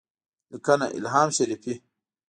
-لیکنه: الهام شریفي